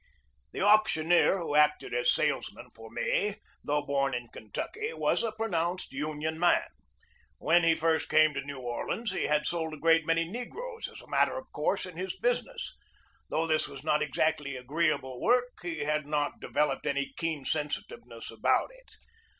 The auctioneer who acted as salesman for me, though born in Kentucky, was a pronounced Union man. When he first came to New Orleans he had sold a great many negroes as a matter of course in his business. Though this was not exactly agree able work, he had not developed any keen sensitive ness about it.